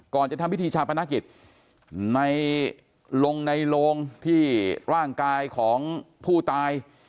ก่อนจะทำพิธีชาปนกิจในลงในโลงที่ร่างกายของผู้ตาย